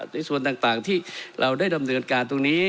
ในส่วนต่างที่เราได้ดำเนินการตรงนี้